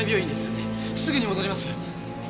すぐに戻ります。